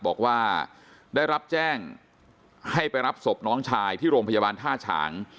บอกว่าได้รับแจ้งให้ไปรับศพน้องชายที่โรงพยาบาลท่าฉาง